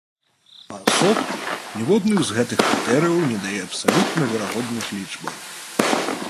Паасобку, ніводны з гэтых крытэрыяў не дае абсалютна верагодных лічбаў.